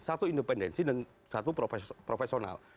satu independensi dan satu profesional